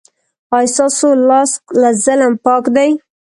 ایا ستاسو لاس له ظلم پاک دی؟